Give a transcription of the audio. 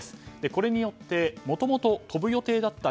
これによってもともと飛ぶ予定だった